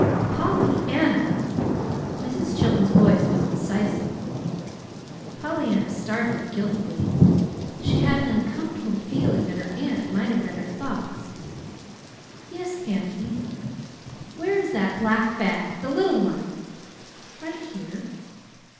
"Pollyanna!" Mrs. Chilton's voice was incisive. Pollyanna started guiltily. She had an uncomfortable feeling that her aunt might have read her thoughts. "Yes, auntie." "Where is that black bag the little one?" "Right here."